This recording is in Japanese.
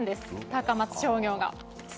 高松商業が。